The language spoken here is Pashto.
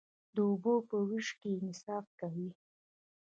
د اوبو په ویش کې انصاف کوئ؟